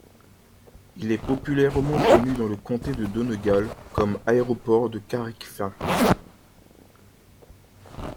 Il est populairement connu dans le comté de Donegal comme aéroport de Carrickfinn.